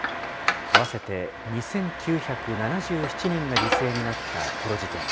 合わせて２９７７人が犠牲になったテロ事件。